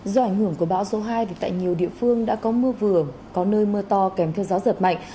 do ảnh hưởng của bão số hai tại nhiều địa phương đã có mưa vừa có nơi mưa to kèm theo gió giật mạnh